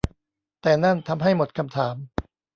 แต่นั่นทำให้หมดคำถาม